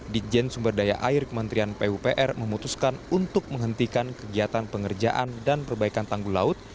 dijen sumber daya air kementerian pupr memutuskan untuk menghentikan kegiatan pengerjaan dan perbaikan tanggul laut